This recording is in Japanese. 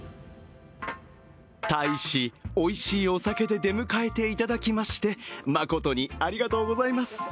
大使、おいしいお酒で出迎えていただきまして、まことにありがとうございます。